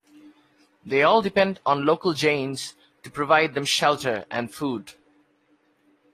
They all depend on local Jains to provide them shelter and food.